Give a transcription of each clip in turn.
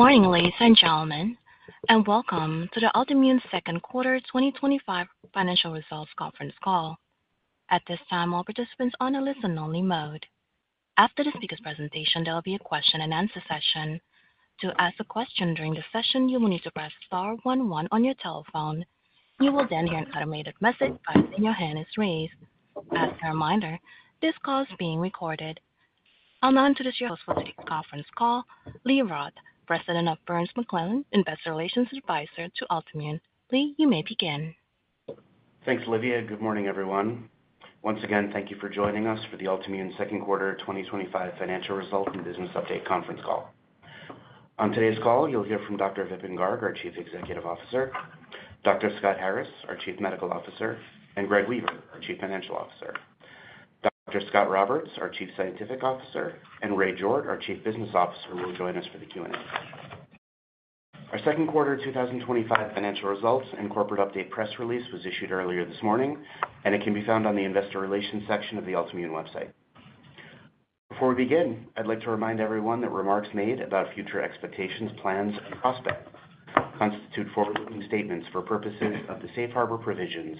Good morning, ladies and gentlemen, and welcome to Altimmune's second quarter 2025 Financial Results Conference Call. At this time, all participants are on a listen-only mode. After the speaker's presentation, there will be a question-and-answer session. To ask a question during the session, you will need to press star one one on your telephone. You will then hear an automated message as your hand is raised. As a reminder, this call is being recorded. I'll now introduce your host for today's conference call, Lee Roth, President of Burns McClellan, Investor Relations Advisor to Altimmune. Lee, you may begin. Thanks, Livia. Good morning, everyone. Once again, thank you for joining us for Altimmune's Second Quarter 2025 Financial Results and Business Update Conference Call. On today's call, you'll hear from Dr. Vipin K. Garg, our Chief Executive Officer, Dr. Scott M. Harris, our Chief Medical Officer, Greg Weaver, our Chief Financial Officer, Dr. Scot Roberts, our Chief Scientific Officer, and Ray Jordt, our Chief Business Officer, who will join us for the Q&A session. Our second quarter 2025 financial results and corporate update press release was issued earlier this morning, and it can be found on the Investor Relations section of the Altimmune website. Before we begin, I'd like to remind everyone that remarks made about future expectations, plans, and prospects constitute forward-looking statements for purposes of the Safe Harbor Provisions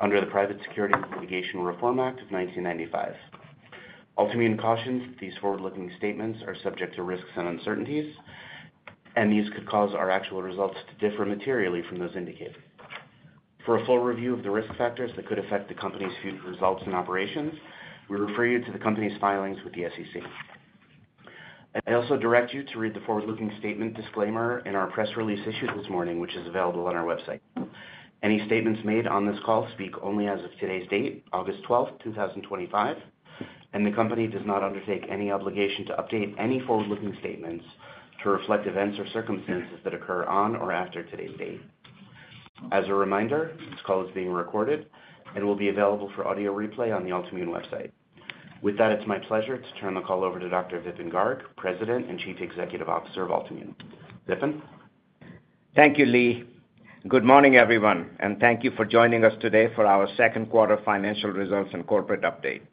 under the Private Securities Litigation Reform Act of 1995. Altimmune cautions that these forward-looking statements are subject to risks and uncertainties, and these could cause our actual results to differ materially from those indicated. For a full review of the risk factors that could affect the company's future results and operations, we refer you to the company's filings with the SEC. I also direct you to read the forward-looking statement disclaimer in our press release issued this morning, which is available on our website. Any statements made on this call speak only as of today's date, August 12, 2025, and the company does not undertake any obligation to update any forward-looking statements to reflect events or circumstances that occur on or after today's date. As a reminder, this call is being recorded and will be available for audio replay on the Altimmune website. With that, it's my pleasure to turn the call over to Dr. Vipin K. Garg, President and Chief Executive Officer of Altimmune. Vipin? Thank you, Lee. Good morning, everyone, and thank you for joining us today for our Second Quarter Financial Results and Corporate Update.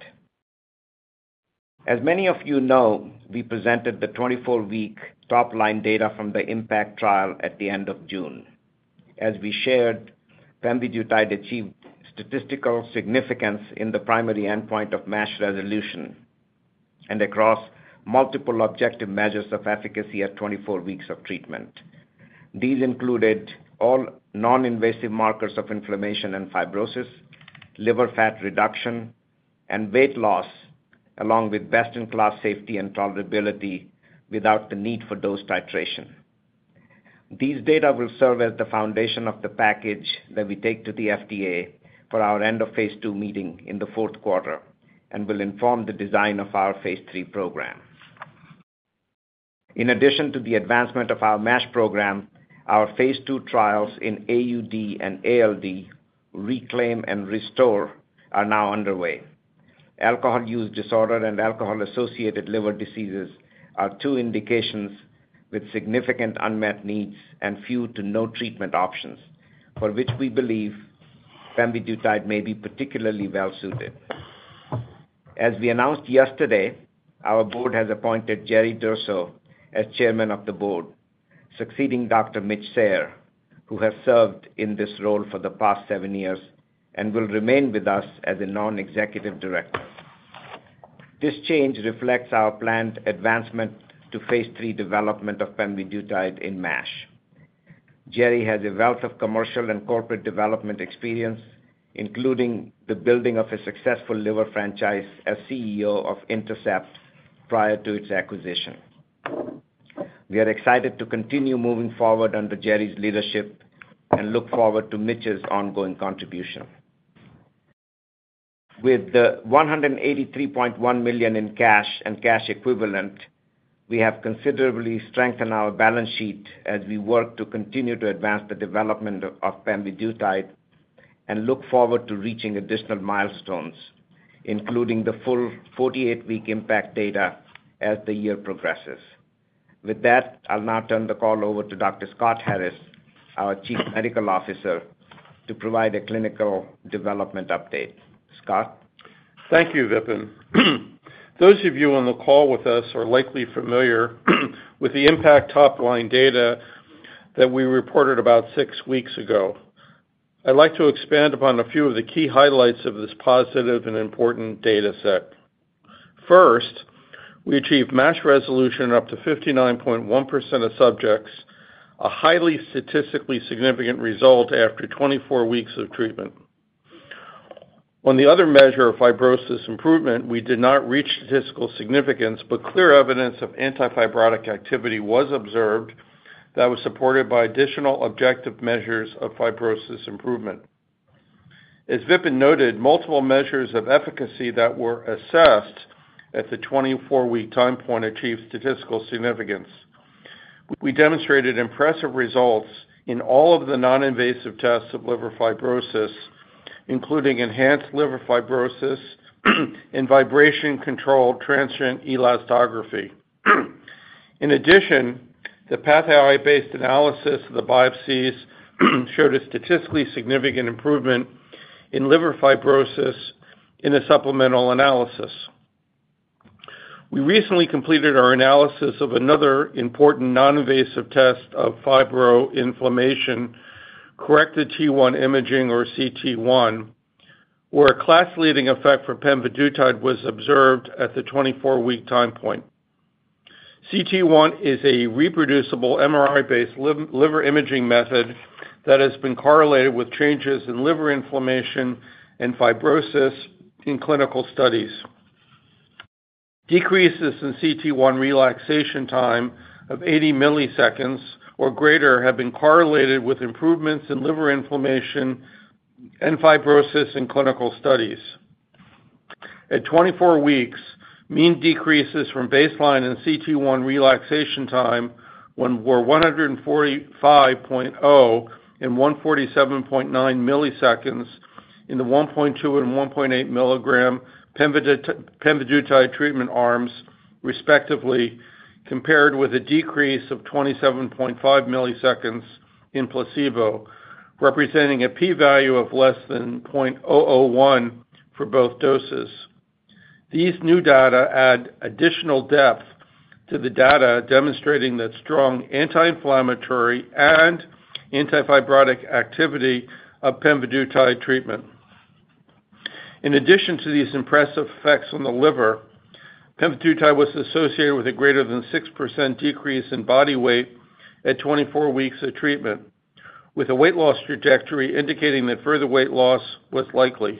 As many of you know, we presented the 24-week top-line data from the IMPACT trial at the end of June. As we shared, pemvidutide achieved statistical significance in the primary endpoint of MASH resolution and across multiple objective measures of efficacy at 24 weeks of treatment. These included all non-invasive markers of inflammation and fibrosis, liver fat reduction, and weight loss, along with best-in-class safety and tolerability without the need for dose titration. These data will serve as the foundation of the package that we take to the FDA for our end-of-phase II meeting in the fourth quarter and will inform the design of our phase III program. In addition to the advancement of our MASH program, our phase II trials in AUD and ALD, RECLAIM and RESTORE, are now underway. Alcohol use disorder and alcohol-associated liver disease are two indications with significant unmet needs and few to no treatment options for which we believe pemvidutide may be particularly well suited. As we announced yesterday, our board has appointed Jerry Durso as Chairman of the Board, succeeding Dr. Mitch Sayer, who has served in this role for the past seven years and will remain with us as a non-executive director. This change reflects our planned advancement to phase III development of pemvidutide in MASH. Jerry has a wealth of commercial and corporate development experience, including the building of a successful liver franchise as CEO of Intercept prior to its acquisition. We are excited to continue moving forward under Jerry's leadership and look forward to Mitch's ongoing contribution. With the $183.1 million in cash and cash equivalent, we have considerably strengthened our balance sheet as we work to continue to advance the development of pemvidutide and look forward to reaching additional milestones, including the full 48-week IMPACT data as the year progresses. With that, I'll now turn the call over to Dr. Scott M. Harris, our Chief Medical Officer, to provide a clinical development update. Scott. Thank you, Vipin. Those of you on the call with us are likely familiar with the IMPACT top-line data that we reported about six weeks ago. I'd like to expand upon a few of the key highlights of this positive and important data set. First, we achieved MASH resolution up to 59.1% of subjects, a highly statistically significant result after 24 weeks of treatment. On the other measure of fibrosis improvement, we did not reach statistical significance, but clear evidence of antifibrotic activity was observed that was supported by additional objective measures of fibrosis improvement. As Vipin noted, multiple measures of efficacy that were assessed at the 24-week time point achieved statistical significance. We demonstrated impressive results in all of the non-invasive tests of liver fibrosis, including enhanced liver fibrosis and vibration-controlled transient elastography. In addition, the path-based analysis of the biopsies showed a statistically significant improvement in liver fibrosis in a supplemental analysis. We recently completed our analysis of another important non-invasive test of fibroinflammation, corrected T1 imaging or CT1, where a class-leading effect for pemvidutide was observed at the 24-week time point. CT1 is a reproducible MRI-based liver imaging method that has been correlated with changes in liver inflammation and fibrosis in clinical studies. Decreases in CT1 relaxation time of 80 ms or greater have been correlated with improvements in liver inflammation and fibrosis in clinical studies. At 24 weeks, mean decreases from baseline in CT1 relaxation time were 145.0 ms and 147.9 ms in the 1.2 mg and 1.8 mg pemvidutide treatment arms, respectively, compared with a decrease of 27.5 ms in placebo, representing a p-value of less than 0.001 for both doses. These new data add additional depth to the data demonstrating the strong anti-inflammatory and antifibrotic activity of pemvidutide treatment. In addition to these impressive effects on the liver, pemvidutide was associated with a greater than 6% decrease in body weight at 24 weeks of treatment, with a weight loss trajectory indicating that further weight loss was likely.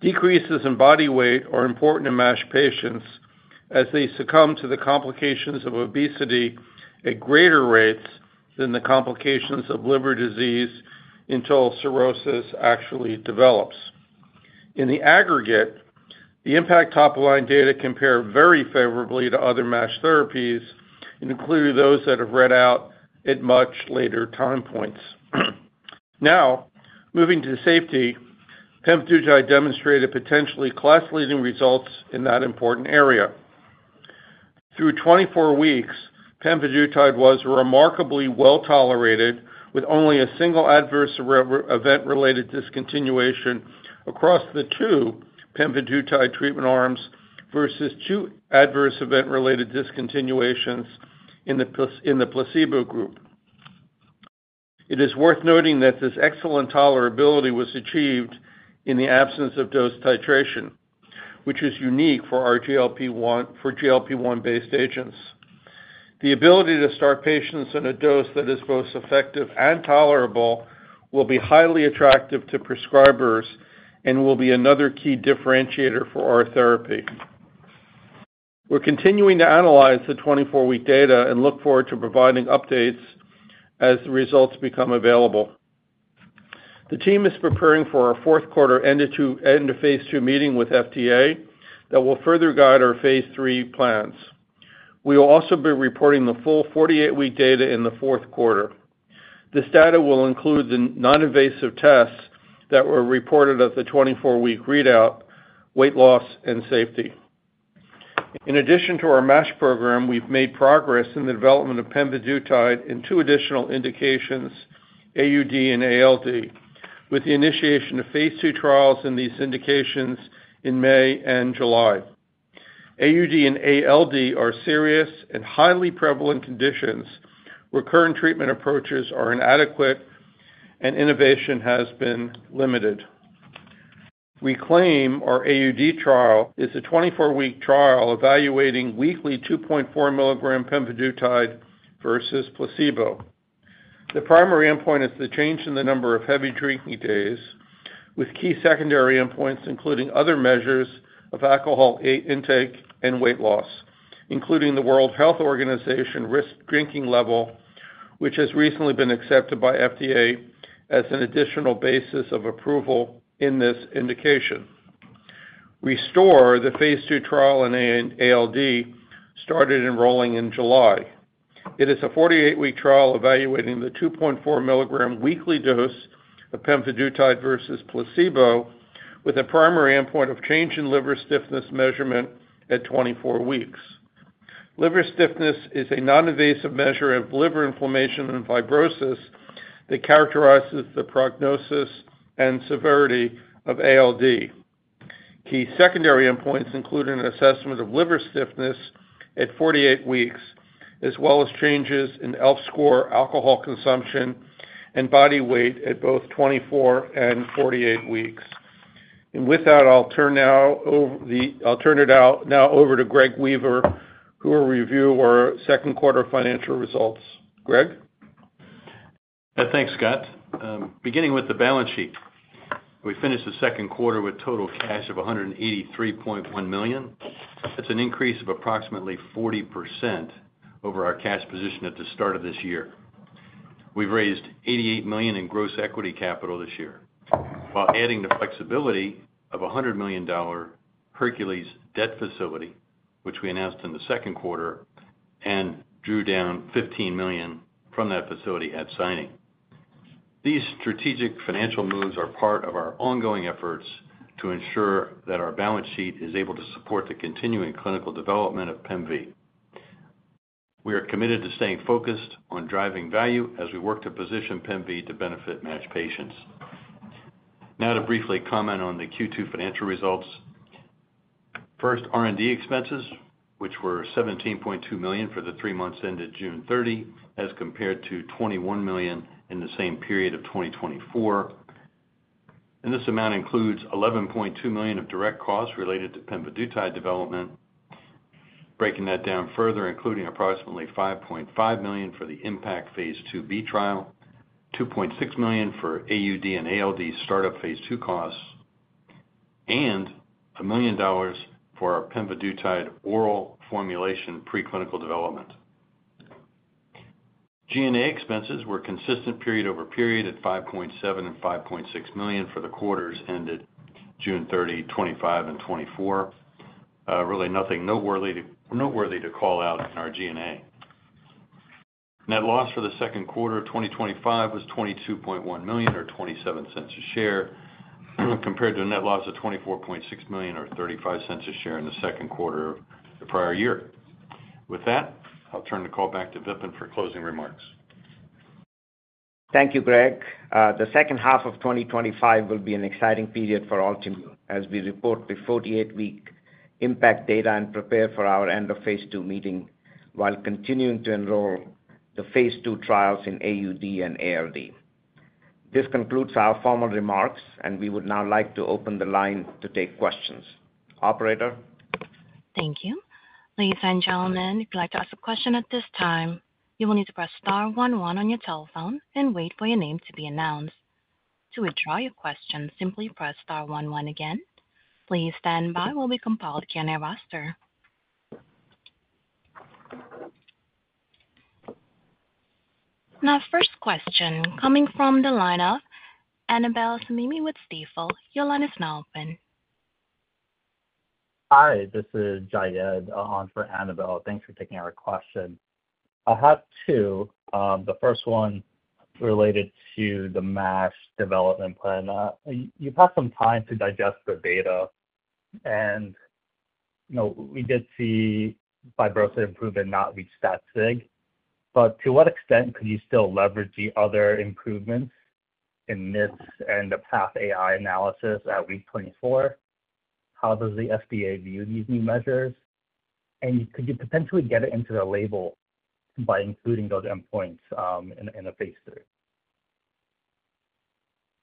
Decreases in body weight are important in MASH patients as they succumb to the complications of obesity at greater rates than the complications of liver disease until cirrhosis actually develops. In the aggregate, the IMPACT top-line data compare very favorably to other MASH therapies and include those that have read out at much later time points. Now, moving to safety, pemvidutide demonstrated potentially class-leading results in that important area. Through 24 weeks, pemvidutide was remarkably well tolerated with only a single adverse event-related discontinuation across the two pemvidutide treatment arms versus two adverse event-related discontinuations in the placebo group. It is worth noting that this excellent tolerability was achieved in the absence of dose titration, which is unique for GLP-1-based agents. The ability to start patients on a dose that is most effective and tolerable will be highly attractive to prescribers and will be another key differentiator for our therapy. We're continuing to analyze the 24-week data and look forward to providing updates as the results become available. The team is preparing for our fourth quarter end-of-phase II meeting with FDA that will further guide our phase III plans. We will also be reporting the full 48-week data in the fourth quarter. This data will include the non-invasive tests that were reported at the 24-week readout, weight loss, and safety. In addition to our MASH program, we've made progress in the development of pemvidutide in two additional indications, AUD and ALD, with the initiation of phase II trials in these indications in May and July. AUD and ALD are serious and highly prevalent conditions where current treatment approaches are inadequate and innovation has been limited. RECLAIM, our AUD trial, is a 24-week trial evaluating weekly 2.4 mg pemvidutide versus placebo. The primary endpoint is the change in the number of heavy drinking days, with key secondary endpoints including other measures of alcohol intake and weight loss, including the World Health Organization risk drinking level, which has recently been accepted by FDA as an additional basis of approval in this indication. RESTORE, the phase II trial in ALD, started enrolling in July. It is a 48-week trial evaluating the 2.4 mg weekly dose of pemvidutide versus placebo with a primary endpoint of change in liver stiffness measurement at 24 weeks. Liver stiffness is a non-invasive measure of liver inflammation and fibrosis that characterizes the prognosis and severity of ALD. Key secondary endpoints include an assessment of liver stiffness at 48 weeks, as well as changes in ELF score, alcohol consumption, and body weight at both 24 and 48 weeks. With that, I'll turn it now over to Greg Weaver, who will review our second quarter financial results. Greg? Thanks, Scott. Beginning with the balance sheet, we finished the second quarter with total cash of $183.1 million. That's an increase of approximately 40% over our cash position at the start of this year. We've raised $88 million in gross equity capital this year, while adding the flexibility of a $100 million Hercules debt facility, which we announced in the second quarter and drew down $15 million from that facility at signing. These strategic financial moves are part of our ongoing efforts to ensure that our balance sheet is able to support the continuing clinical development of pemvidutide. We are committed to staying focused on driving value as we work to position pemvidutide to benefit MASH patients. Now to briefly comment on the Q2 financial results. First, R&D expenses, which were $17.2 million for the three months ended June 30 as compared to $21 million in the same period of 2024. This amount includes $11.2 million of direct costs related to pemvidutide development. Breaking that down further, including approximately $5.5 million for the IMPACT phase II-B trial, $2.6 million for AUD and ALD startup phase II costs, and $1 million for our pemvidutide oral formulation preclinical development. G&A expenses were consistent period over period at $5.7 million and $5.6 million for the quarters ended June 30, 2025, and 2024. Really nothing noteworthy to call out in our G&A. Net loss for the second quarter of 2025 was $22.1 million or $0.27 a share, compared to a net loss of $24.6 million or $0.35 a share in the second quarter of the prior year. With that, I'll turn the call back to Vipin for closing remarks. Thank you, Greg. The second half of 2025 will be an exciting period for Altimmune, as we report the 48-week IMPACT data and prepare for our end-of-phase II meeting while continuing to enroll the phase II trials in AUD and ALD. This concludes our formal remarks, and we would now like to open the line to take questions. Operator? Thank you. Ladies and gentlemen, if you'd like to ask a question at this time, you will need to press star one one on your telephone and wait for your name to be announced. To withdraw your question, simply press star one one again. Please stand by while we compile the Q&A roster. Now, first question coming from the line of Annabelle Samimy with Stifel. Your line is now open. Hi, this is Jayed on for Annabelle. Thanks for taking our question. I have two. The first one related to the MASH development plan. You've had some time to digest the data, and you know we did see fibrosis improvement not reach that statistical significance. To what extent could you still leverage the other improvements in NIST and the AI-assisted pathology analyses at week 24? How does the FDA view these new measures? Could you potentially get it into the label by including those endpoints in the phase III?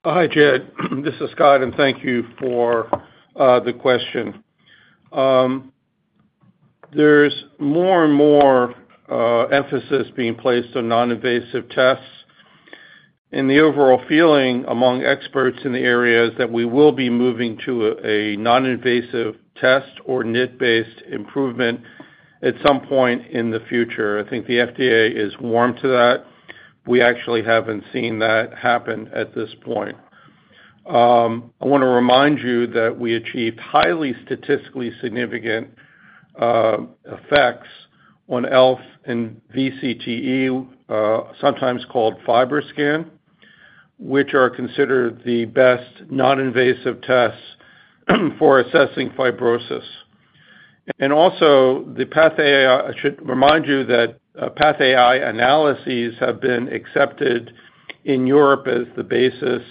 Hi, Jayed. This is Scott, and thank you for the question. There's more and more emphasis being placed on non-invasive tests, and the overall feeling among experts in the area is that we will be moving to a non-invasive test or NIT-based improvement at some point in the future. I think the FDA is warm to that. We actually haven't seen that happen at this point. I want to remind you that we achieved highly statistically significant effects on ELF and VCTE, sometimes called FibroScan, which are considered the best non-invasive tests for assessing fibrosis. Also, the PathAI, I should remind you that PathAI analyses have been accepted in Europe as the basis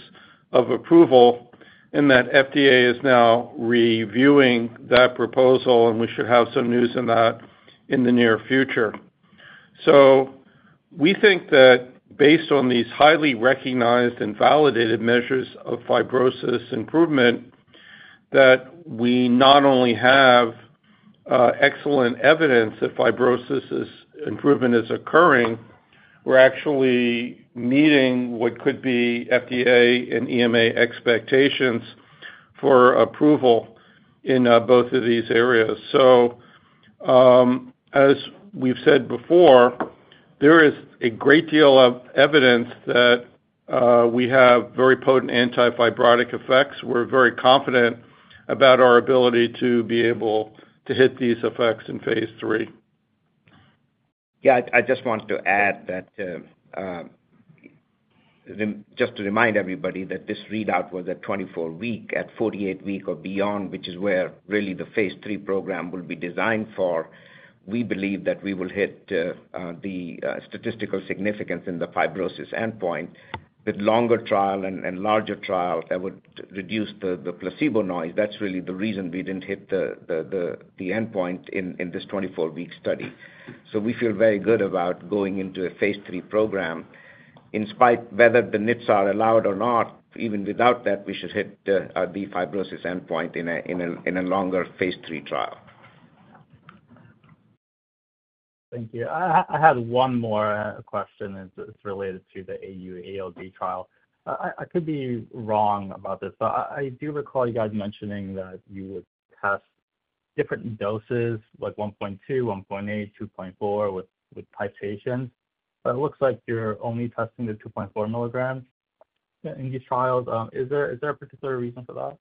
of approval, and that FDA is now reviewing that proposal, and we should have some news on that in the near future. We think that based on these highly recognized and validated measures of fibrosis improvement, we not only have excellent evidence that fibrosis improvement is occurring, we're actually meeting what could be FDA and EMA expectations for approval in both of these areas. As we've said before, there is a great deal of evidence that we have very potent antifibrotic effects. We're very confident about our ability to be able to hit these effects in phase III. I just want to add that, just to remind everybody, this readout was at 24 weeks. At 48 weeks or beyond, which is where really the phase III program will be designed for, we believe that we will hit the statistical significance in the fibrosis endpoint with a longer trial and larger trial that would reduce the placebo noise. That's really the reason we didn't hit the endpoint in this 24-week study. We feel very good about going into a phase III program in spite of whether the NITs are allowed or not. Even without that, we should hit the fibrosis endpoint in a longer phase III trial. Thank you. I had one more question, and it's related to the AUD/ALD trial. I could be wrong about this, but I do recall you guys mentioning that you would test different doses, like 1.2 mg, 1.8 mg, 2.4 mg with titration. It looks like you're only testing the 2.4 mg in these trials. Is there a particular reason for that?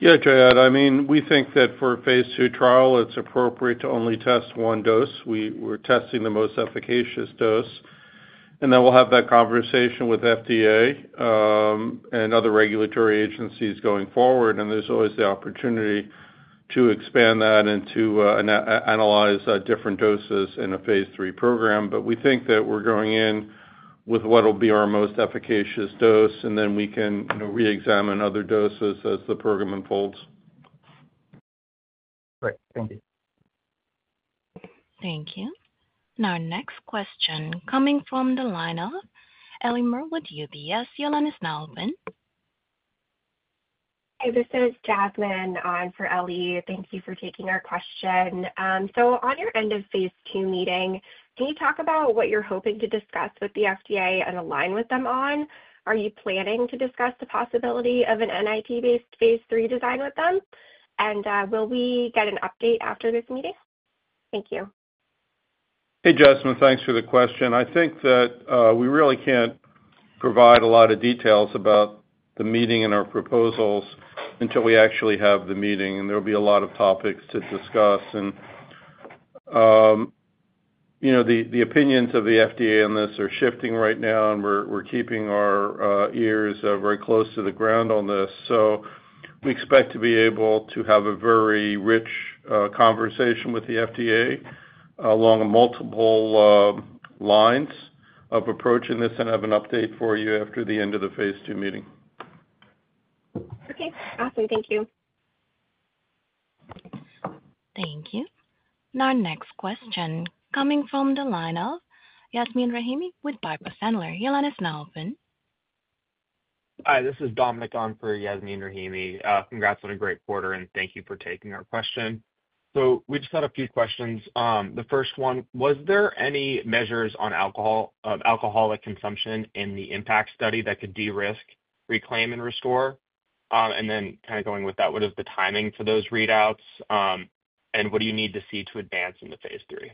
Yeah, Jayed. I mean, we think that for a phase II trial, it's appropriate to only test one dose. We're testing the most efficacious dose, and then we'll have that conversation with the FDA and other regulatory agencies going forward. There's always the opportunity to expand that and to analyze different doses in a phase III program. We think that we're going in with what will be our most efficacious dose, and then we can reexamine other doses as the program unfolds. Great. Thank you. Thank you. Next question coming from the line of Ellie Merle with UBS. Your line is now open. Hi, this is Jasmine on for Ellie. Thank you for taking our question. On your end-of-phase II meeting, can you talk about what you're hoping to discuss with the FDA and align with them on? Are you planning to discuss the possibility of an NIT-based phase III design with them? Will we get an update after this meeting? Thank you. Hey, Jasmine. Thanks for the question. I think that we really can't provide a lot of details about the meeting and our proposals until we actually have the meeting. There will be a lot of topics to discuss. The opinions of the FDA on this are shifting right now, and we're keeping our ears very close to the ground on this. We expect to be able to have a very rich conversation with the FDA along multiple lines of approaching this and have an update for you after the end-of-phase II meeting. Okay. Awesome. Thank you. Thank you. Now, next question coming from the line of Yasmine Rahimi with Piper Sandler. Your line is now open. Hi, this is Dominic on for Yasmine Rahimi. Congrats on a great quarter, and thank you for taking our question. We just had a few questions. The first one, was there any measures on alcohol or alcoholic consumption in the IMPACT study that could de-risk RECLAIM and RESTORE? What is the timing for those readouts? What do you need to see to advance into phase III?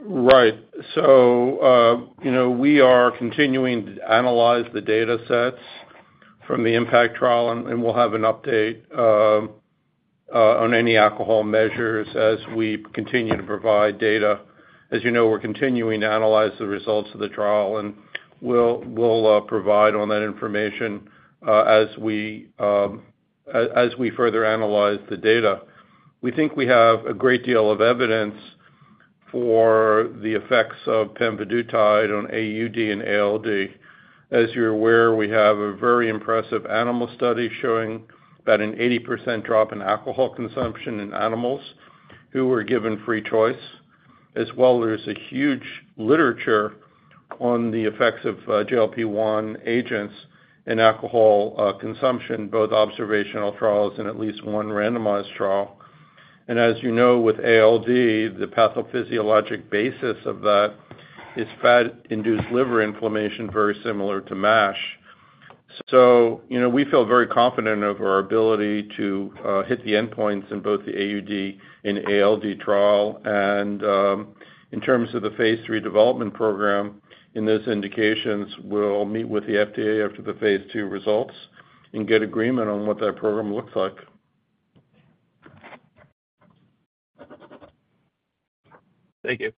Right. We are continuing to analyze the data sets from the IMPACT trial, and we'll have an update on any alcohol measures as we continue to provide data. As you know, we're continuing to analyze the results of the trial, and we'll provide that information as we further analyze the data. We think we have a great deal of evidence for the effects of pemvidutide on AUD and ALD. As you're aware, we have a very impressive animal study showing about an 80% drop in alcohol consumption in animals who were given free choice. There is a huge literature on the effects of GLP-1 agents in alcohol consumption, both observational trials and at least one randomized trial. As you know, with ALD, the pathophysiologic basis of that is fat-induced liver inflammation, very similar to MASH. We feel very confident of our ability to hit the endpoints in both the AUD and ALD trial. In terms of the phase III development program in those indications, we'll meet with the FDA after the phase II results and get agreement on what that program looks like. Thank you.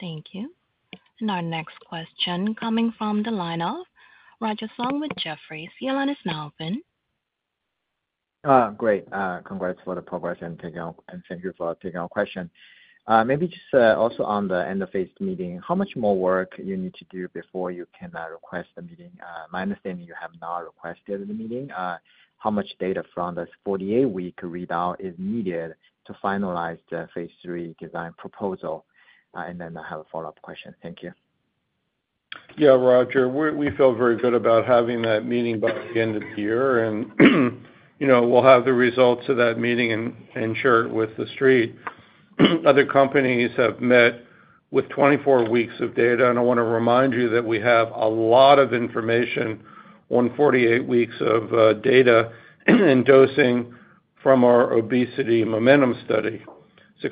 Thank you. Now, next question coming from the line of Roger Song with Jefferies. Your line is now open. Great. Congrats for the progress and thank you for taking our question. Maybe just also on the end-of-phase II meeting, how much more work you need to do before you can request the meeting? My understanding is you have not requested the meeting. How much data from this 48-week readout is needed to finalize the phase III design proposal? I have a follow-up question. Thank you. Yeah, Roger. We feel very good about having that meeting by the end of the year, and you know we'll have the results of that meeting and share it with The Street. Other companies have met with 24 weeks of data, and I want to remind you that we have a lot of information on 48 weeks of data and dosing from our obesity momentum study.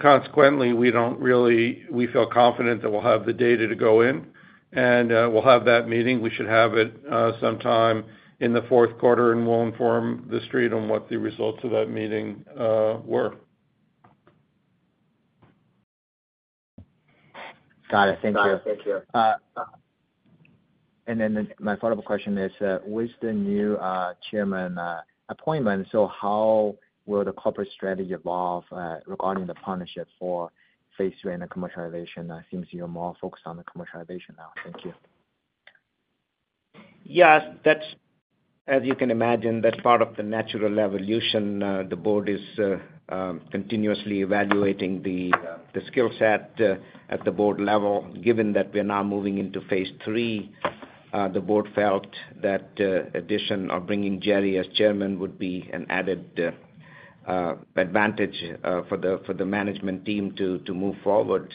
Consequently, we feel confident that we'll have the data to go in, and we'll have that meeting. We should have it sometime in the fourth quarter, and we'll inform the street on what the results of that meeting were. Got it. Thank you. Thank you. My follow-up question is, with the new Chairman appointment, how will the corporate strategy evolve regarding the partnership for phase III and the commercialization? It seems you're more focused on the commercialization now. Thank you. Yes. As you can imagine, that's part of the natural evolution. The Board is continuously evaluating the skill set at the Board level. Given that we're now moving into phase III, the Board felt that the addition or bringing Jerrry as Chairman would be an added advantage for the management team to move forward.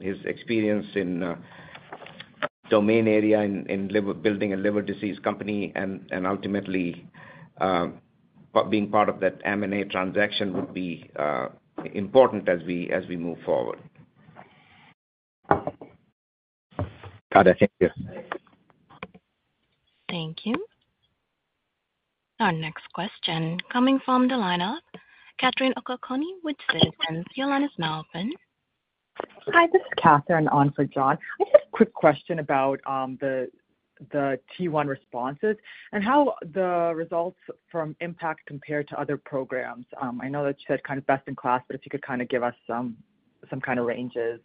His experience in the domain area in building a liver disease company and ultimately being part of that M&A transaction would be important as we move forward. Got it. Thank you. Thank you. Our next question coming from the line of Catherine Okoukoni with Citizens. Your line is now open. Hi, this is Catherine on for John. I have a quick question about the T1 responses and how the results from IMPACT compare to other programs. I know that you said kind of best in class, but if you could kind of give us some kind of ranges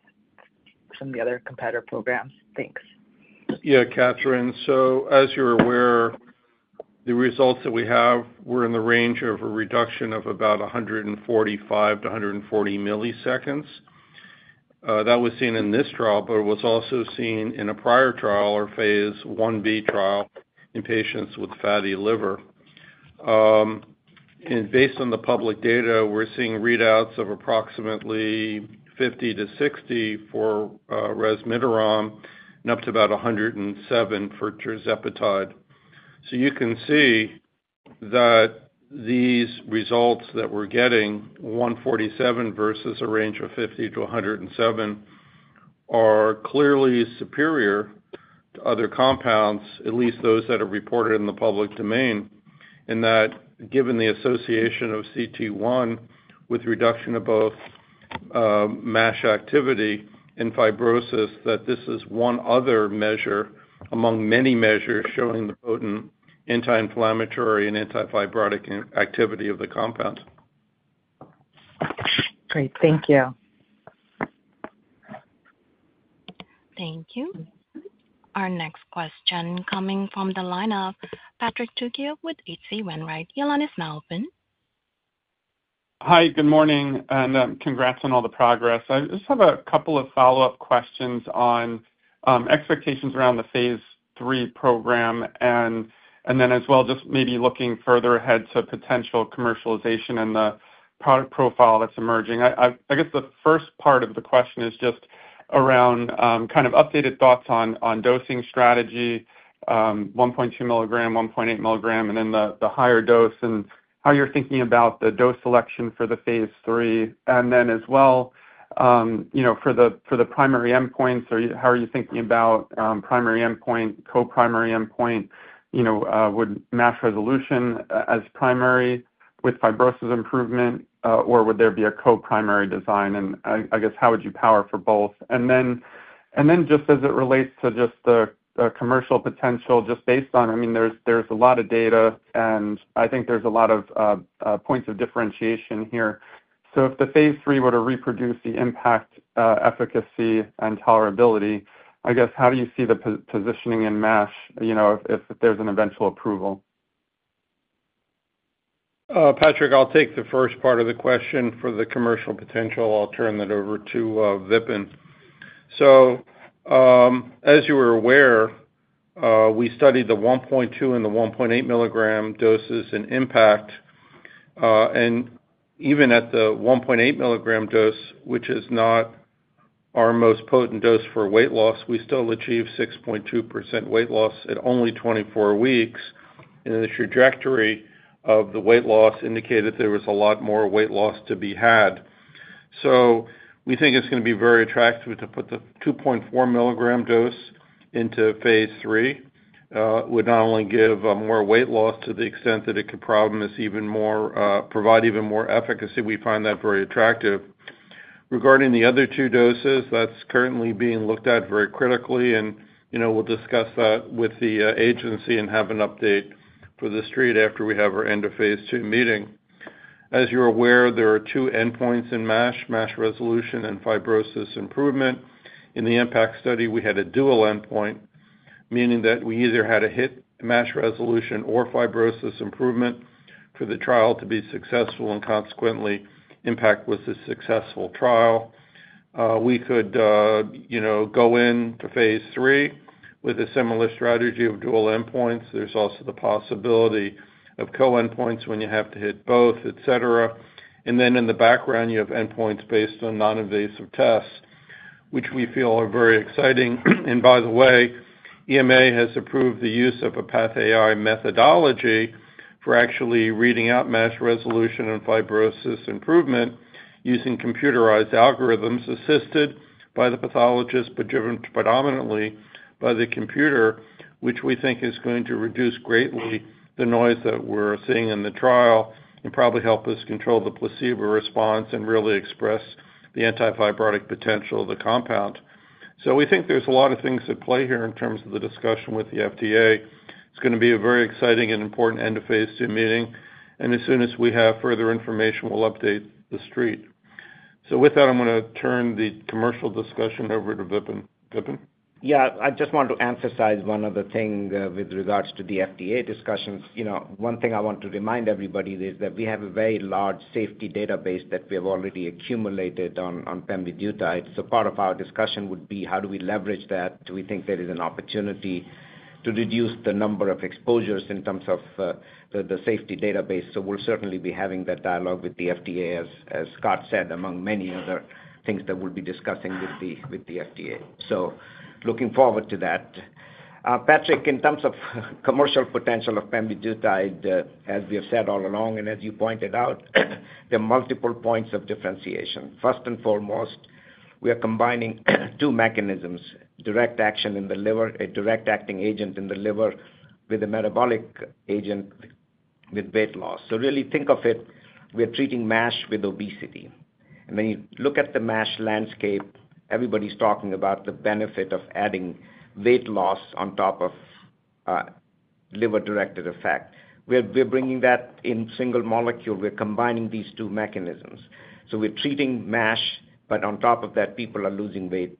from the other competitor programs. Thanks. Catherine, as you're aware, the results that we have were in the range of a reduction of about 145 ms to 140 ms. That was seen in this trial, but it was also seen in a prior trial or phase I-B trial in patients with fatty liver. Based on the public data, we're seeing readouts of approximately 50 ms to 60 ms for Resmiterom and up to about 107 ms for Tirzepatide. You can see that these results that we're getting, 147 ms versus a range of 50 ms-107 ms, are clearly superior to other compounds, at least those that are reported in the public domain. Given the association of CT1 with reduction of both MASH activity and fibrosis, this is one other measure among many measures showing the potent anti-inflammatory and antifibrotic activity of the compounds. Great. Thank you. Thank you. Our next question coming from the line of Patrick Trucchio with H.C. Wainwright. Your line is now open. Hi, good morning, and congrats on all the progress. I just have a couple of follow-up questions on expectations around the phase III program and then as well just maybe looking further ahead to potential commercialization and the product profile that's emerging. I guess the first part of the question is just around kind of updated thoughts on dosing strategy, 1.2 mg, 1.8 mg, and then the higher dose and how you're thinking about the dose selection for the phase III. As well, for the primary endpoints, how are you thinking about primary endpoint, co-primary endpoint? Would MASH resolution as primary with fibrosis improvement, or would there be a co-primary design? How would you power for both? As it relates to the commercial potential, just based on, I mean, there's a lot of data, and I think there's a lot of points of differentiation here. If the phase III were to reproduce the IMPACT efficacy and tolerability, how do you see the positioning in MASH if there's an eventual approval? Patrick, I'll take the first part of the question for the commercial potential. I'll turn that over to Vipin. As you are aware, we studied the 1.2 mg and the 1.8 mg doses in IMPACT. Even at the 1.8 mg dose, which is not our most potent dose for weight loss, we still achieved 6.2% weight loss at only 24 weeks. The trajectory of the weight loss indicated there was a lot more weight loss to be had. We think it's going to be very attractive to put the 2.4 mg dose into phase III. It would not only give more weight loss to the extent that it could propel us even more, provide even more efficacy. We find that very attractive. Regarding the other two doses, that's currently being looked at very critically, and you know we'll discuss that with the agency and have an update for The Street after we have our end-of-phase II meeting. As you are aware, there are two endpoints in MASH: MASH resolution and fibrosis improvement. In the IMPACT study, we had a dual endpoint, meaning that we either had to hit MASH resolution or fibrosis improvement for the trial to be successful, and consequently, IMPACT was a successful trial. We could go into phase III with a similar strategy of dual endpoints. There is also the possibility of co-endpoints when you have to hit both, etc. In the background, you have endpoints based on non-invasive tests, which we feel are very exciting. By the way, EMA has approved the use of a PathAI methodology for actually reading out MASH resolution and fibrosis improvement using computerized algorithms assisted by the pathologist, but driven predominantly by the computer, which we think is going to reduce greatly the noise that we're seeing in the trial and probably help us control the placebo response and really express the antifibrotic potential of the compound. We think there are a lot of things at play here in terms of the discussion with the FDA. It's going to be a very exciting and important end-of-phase II meeting. As soon as we have further information, we'll update The Street. With that, I'm going to turn the commercial discussion over to Vipin. Yeah, I just want to emphasize one other thing with regards to the FDA discussions. One thing I want to remind everybody is that we have a very large safety database that we have already accumulated on pemvidutide. Part of our discussion would be how do we leverage that. Do we think there is an opportunity to reduce the number of exposures in terms of the safety database. We'll certainly be having that dialogue with the FDA, as Scott said, among many other things that we'll be discussing with the FDA. Looking forward to that. Patrick, in terms of commercial potential of pemvidutide, as we have said all along, and as you pointed out, there are multiple points of differentiation. First and foremost, we are combining two mechanisms: direct action in the liver, a direct-acting agent in the liver with a metabolic agent with weight loss. Really think of it, we're treating MASH with obesity. When you look at the MASH landscape, everybody's talking about the benefit of adding weight loss on top of liver-directed effect. We're bringing that in single molecule. We're combining these two mechanisms. We're treating MASH, but on top of that, people are losing weight.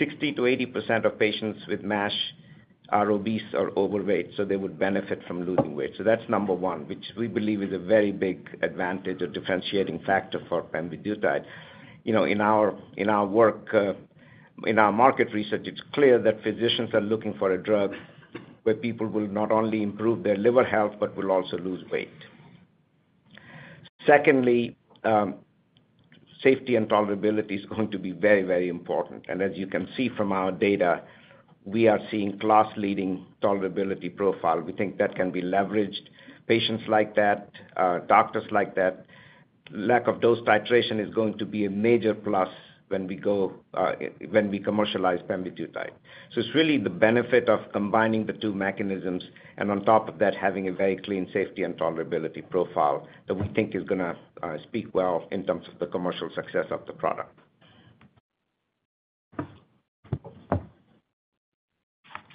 60%-80% of patients with MASH are obese or overweight, so they would benefit from losing weight. That's number one, which we believe is a very big advantage or differentiating factor for pemvidutide. In our work, in our market research, it's clear that physicians are looking for a drug where people will not only improve their liver health but will also lose weight. Secondly, safety and tolerability is going to be very, very important. As you can see from our data, we are seeing class-leading tolerability profile. We think that can be leveraged. Patients like that, doctors like that, lack of dose titration is going to be a major plus when we commercialize pemvidutide. It's really the benefit of combining the two mechanisms and on top of that, having a very clean safety and tolerability profile that we think is going to speak well in terms of the commercial success of the product.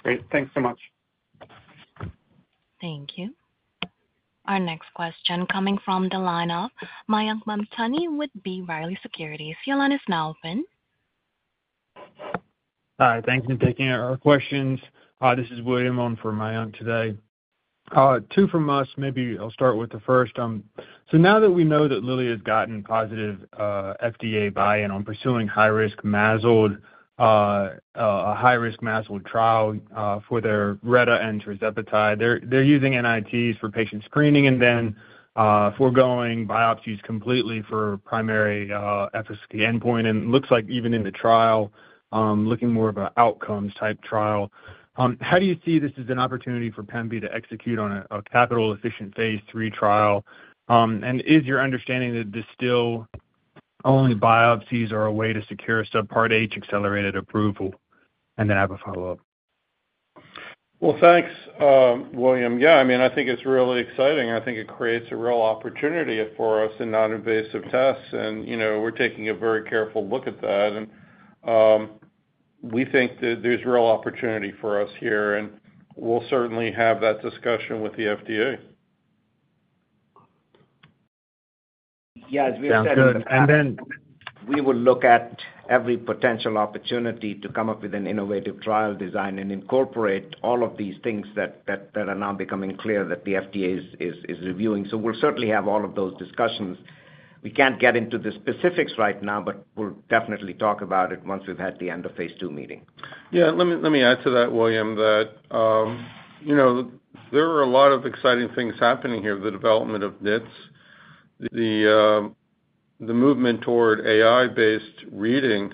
Great, thanks so much. Thank you. Our next question coming from the line of Mayank Mamtani with B. Riley Securities. Your line is now open. Hi, thanks for taking our questions. This is William on for Mayank today. Two from us. Maybe I'll start with the first. Now that we know that Lilly has gotten positive FDA buy-in on pursuing a high-risk MASH trial for their RETA and tirzepatide, they're using NITs for patient screening and then foregoing biopsies completely for primary FSC endpoint. It looks like even in the trial, looking more of an outcomes type trial. How do you see this as an opportunity for pemvidutide to execute on a capital-efficient phase III trial? Is your understanding that still only biopsies are a way to secure subpart H accelerated approval? I have a follow-up. Thank you, William. I think it's really exciting. I think it creates a real opportunity for us in non-invasive tests. You know we're taking a very careful look at that, and we think that there's real opportunity for us here. We'll certainly have that discussion with the FDA. As we have said, we will look at every potential opportunity to come up with an innovative trial design and incorporate all of these things that are now becoming clear that the FDA is reviewing. We'll certainly have all of those discussions. We can't get into the specifics right now, but we'll definitely talk about it once we've had the end-of-phase II meeting. Let me add to that, William, that you know there are a lot of exciting things happening here, the development of NITs, the movement toward AI-based reading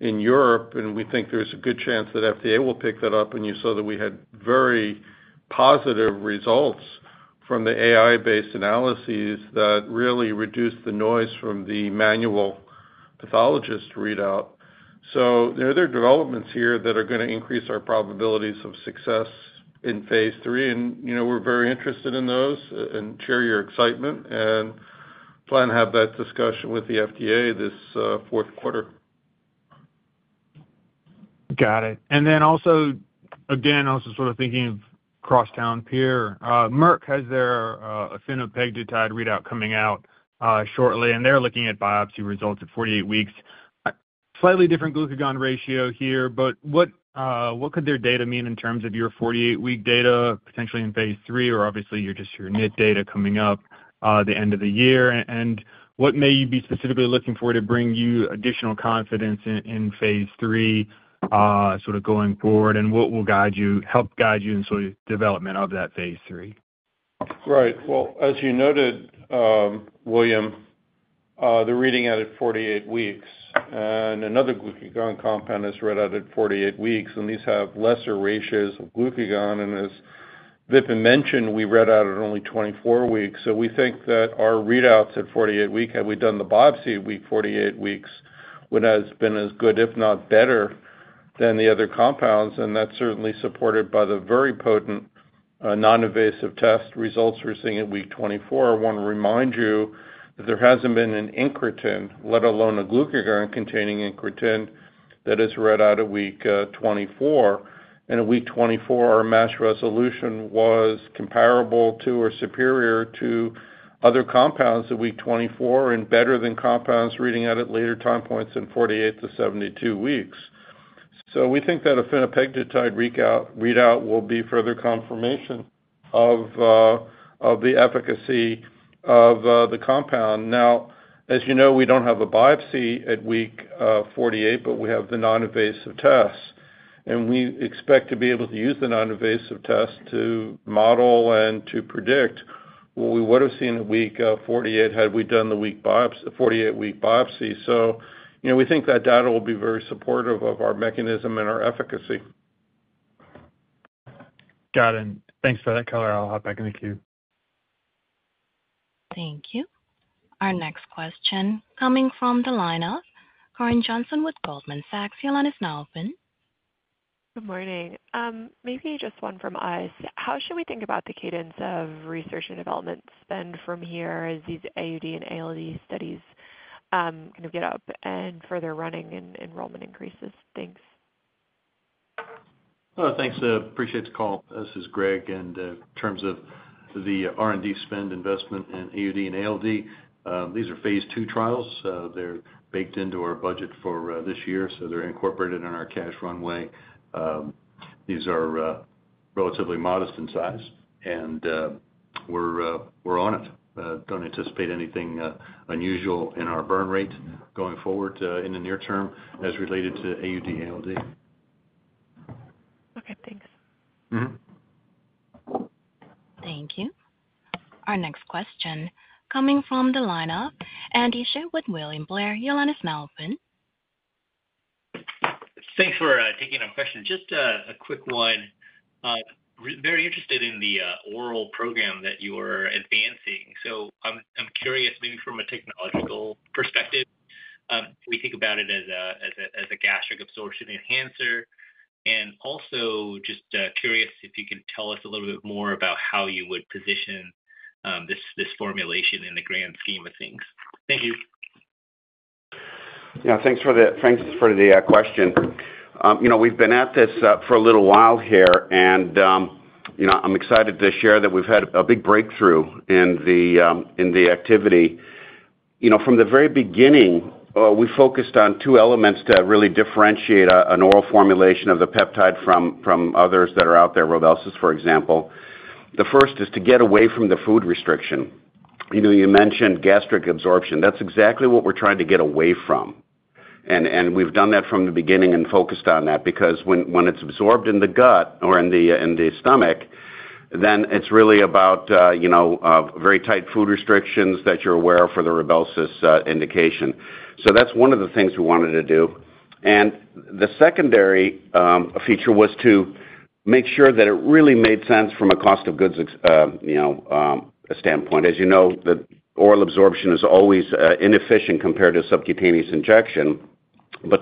in Europe. We think there's a good chance that the FDA will pick that up. You saw that we had very positive results from the AI-based analyses that really reduced the noise from the manual pathologist readout. There are other developments here that are going to increase our probabilities of success in phase III. We're very interested in those and share your excitement and plan to have that discussion with the FDA this fourth quarter. Got it. I was just sort of thinking of cross-town peer. Merck has their affinopegdetide readout coming out shortly, and they're looking at biopsy results at 48 weeks. Slightly different glucagon ratio here, but what could their data mean in terms of your 48-week data potentially in phase III, or obviously just your NIT data coming up the end of the year? What may you be specifically looking for to bring you additional confidence in phase III going forward? What will guide you, help guide you in the development of that phase III? Right. As you noted, William, the reading out at 48 weeks, and another glucagon compound is read out at 48 weeks. These have lesser ratios of glucagon. As Vipin mentioned, we read out at only 24 weeks. We think that our readouts at 48 weeks, had we done the biopsy at week 48, would have been as good, if not better, than the other compounds. That is certainly supported by the very potent non-invasive test results we're seeing at week 24. I want to remind you that there hasn't been an incretin, let alone a glucagon-containing incretin, that is read out at week 24. At week 24, our MASH resolution was comparable to or superior to other compounds at week 24 and better than compounds reading out at later time points in 48 weeks-72 weeks. We think that pemvidutide readout will be further confirmation of the efficacy of the compound. As you know, we don't have a biopsy at week 48, but we have the non-invasive tests. We expect to be able to use the non-invasive tests to model and to predict what we would have seen at week 48 had we done the 48-week biopsy. We think that data will be very supportive of our mechanism and our efficacy. Got it. Thanks for that color. I'll hop back in the queue. Thank you. Our next question coming from the line of Karen Johnson with Goldman Sachs. Your line is now open. Good morning. Maybe just one from us. How should we think about the cadence of research and development spend from here as these AUD and ALD studies kind of get up and further running and enrollment increases? Thanks. Thanks. Appreciate the call. This is Greg. In terms of the R&D spend investment in AUD and ALD, these are phase II trials. They're baked into our budget for this year, so they're incorporated in our cash runway. These are relatively modest in size, and we're on it. Don't anticipate anything unusual in our burn rate going forward in the near term as related to AUD/ALD. Okay. Thanks. Thank you. Our next question coming from the line of Andy Hsieh with William Blair. Your line is now open. Thanks for taking our question. Just a quick one. I'm very interested in the oral program that you are advancing. I'm curious, maybe from a technological perspective, we think about it as a gastric absorption enhancer. I'm also just curious if you can tell us a little bit more about how you would position this formulation in the grand scheme of things. Thank you. Yeah, thanks for the question. We've been at this for a little while here, and I'm excited to share that we've had a big breakthrough in the activity. From the very beginning, we focused on two elements to really differentiate an oral formulation of the peptide from others that are out there, Robustis, for example. The first is to get away from the food restriction. You mentioned gastric absorption. That's exactly what we're trying to get away from. We've done that from the beginning and focused on that because when it's absorbed in the gut or in the stomach, then it's really about very tight food restrictions that you're aware of for the Robustis indication. That's one of the things we wanted to do. The secondary feature was to make sure that it really made sense from a cost of goods standpoint. As you know, the oral absorption is always inefficient compared to subcutaneous injection.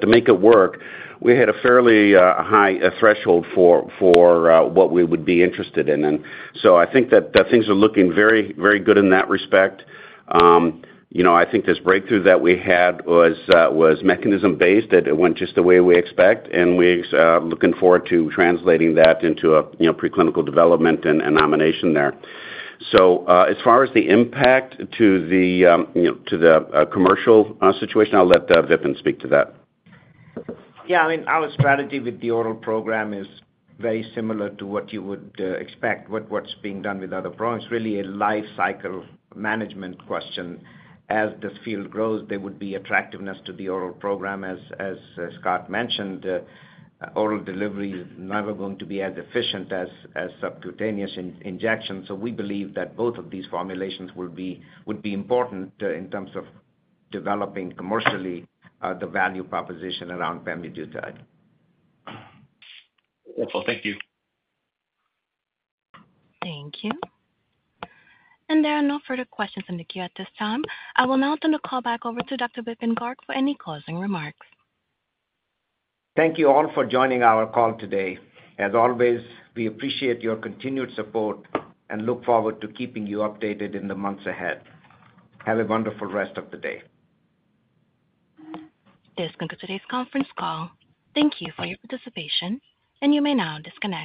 To make it work, we had a fairly high threshold for what we would be interested in. I think that things are looking very, very good in that respect. I think this breakthrough that we had was mechanism-based. It went just the way we expect, and we're looking forward to translating that into a preclinical development and nomination there. As far as the impact to the commercial situation, I'll let Vipin speak to that. Yeah, I mean, our strategy with the oral program is very similar to what you would expect. What's being done with other products is really a life cycle management question. As this field grows, there would be attractiveness to the oral program. As Scott mentioned, oral delivery is never going to be as efficient as subcutaneous injections. We believe that both of these formulations would be important in terms of developing commercially the value proposition around pemvidutide. Wonderful. Thank you. Thank you. There are no further questions in the queue at this time. I will now turn the call back over to Dr. Vipin K. Garg for any closing remarks. Thank you all for joining our call today. As always, we appreciate your continued support and look forward to keeping you updated in the months ahead. Have a wonderful rest of the day. This concludes today's conference call. Thank you for your participation, and you may now disconnect.